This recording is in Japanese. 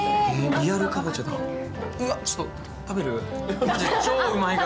リアルかぼちゃか。